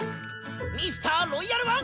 ミスターロイヤル・ワン！